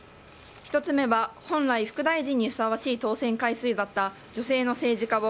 １つ目は本来、副大臣にふさわしい当選回数だった女性の政治家を